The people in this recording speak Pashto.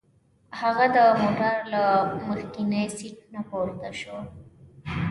هغه د موټر له مخکیني سیټ نه پورته شو.